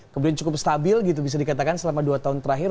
kemudian cukup stabil gitu bisa dikatakan selama dua tahun terakhir